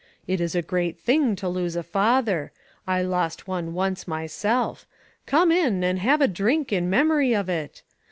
It is a great thing to lose a father ; I lost one once myself ; come in and have a drink in memory of it.